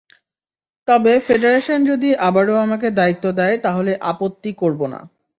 তবে ফেডারেশন যদি আবারও আমাকে দায়িত্ব দেয় তাহলে আপত্তি করব না।